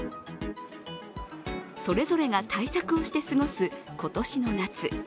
それぞれが対策をして過ごす今年の夏。